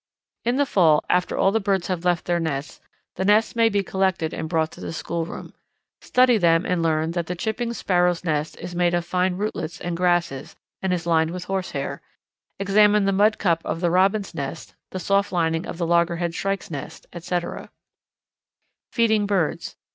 _ In the fall, after all the birds have left their nests, the nests may be collected and brought to the schoolroom. Study them and learn that the Chipping Sparrow's nest is made of fine rootlets and grasses, and is lined with horsehair; examine the mud cup of the Robin's nest, the soft lining of the Loggerhead Shrike's nest, etc. _Feeding Birds.